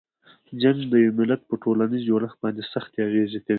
جنګ د یوه ملت په ټولنیز جوړښت باندې سختې اغیزې کوي.